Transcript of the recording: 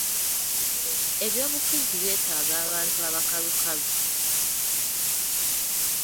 Eby’obufuzi by’etaaga abantu abakalukalu.